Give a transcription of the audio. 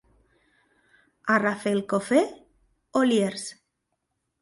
A Rafelcofer, oliers.